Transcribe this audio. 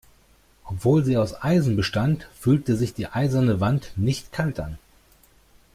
Obwohl sie aus Eisen bestand, fühlte sich die eiserne Wand nicht kalt an.